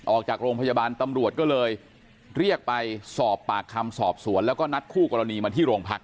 ออกจากโรงพยาบาลตำรวจก็เลยเรียกไปสอบปากคำสอบสวนแล้วก็นัดคู่กรณีมาที่โรงพัก